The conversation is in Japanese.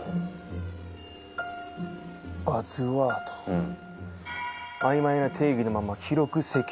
うん。